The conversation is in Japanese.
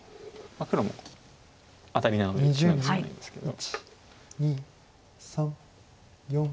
黒もアタリなのでツナぐしかないんですけど。